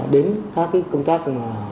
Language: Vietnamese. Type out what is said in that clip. đến các công tác